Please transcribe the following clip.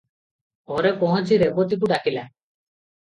ଘରେ ପହଞ୍ଚି ରେବତୀକୁ ଡାକିଲା ।